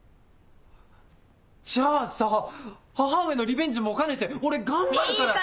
じゃあさ母上のリベンジも兼ねて俺頑張るから！